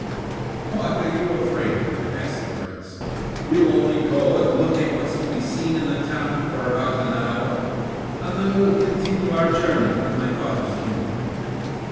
'What are you afraid of?' asked the Prince. 'We'll only go and look at what's to be seen in the town for about an hour, and then we'll continue our journey to my father's kingdom.